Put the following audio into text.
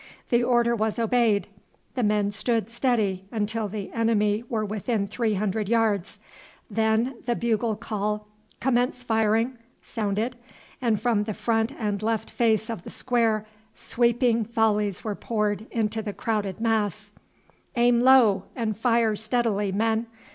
The order was obeyed; the men stood steady until the enemy were within three hundred yards; then the bugle call "Commence firing!" sounded, and from the front and left face of the square sweeping volleys were poured into the crowded mass. "Aim low and fire steadily, men!"